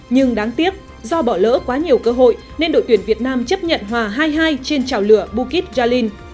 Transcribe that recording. nhưng đáng tiếc do bỏ lỡ quá nhiều cơ hội nên đội tuyển việt nam chấp nhận hòa hai hai trên trào lửa bukit jalil